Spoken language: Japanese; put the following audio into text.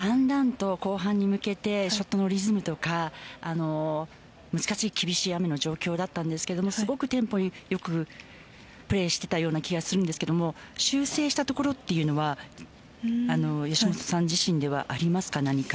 だんだんと後半に向けてショットのリズムとか難しい厳しい雨の状況だったんですがすごくテンポ良くプレーしていたような気がするんですが修正したところというのは吉本さん自身ではありますか？